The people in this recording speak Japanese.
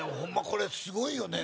これすごいよね